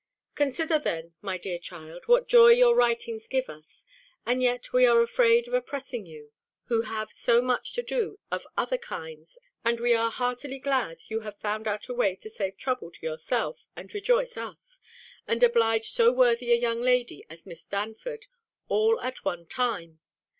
Consider then, my dear child, what joy your writings give us: and yet we are afraid of oppressing you, who have so much to do of other kinds; and we are heartily glad you have found out a way to save trouble to yourself, and rejoice us, and oblige so worthy a young lady as Miss Darnford, all at one time.